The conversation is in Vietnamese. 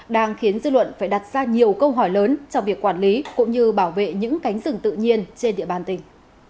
đang khiến dư luận phải đặt ra nhiều câu hỏi lớn trong việc quản lý cũng như bảo vệ những cánh rừng tự nhiên trên địa bàn tỉnh